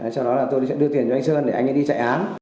cho đó là tôi sẽ đưa tiền cho anh sơn để anh ấy đi chạy án